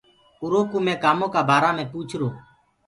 اُرو ڪوُ مي ڪآمونٚ ڪآ بآرآ مي پوُڇرو۔